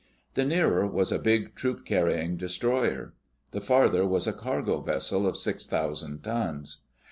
The nearer was a big, troop carrying destroyer. The farther was a cargo vessel of six thousand tons.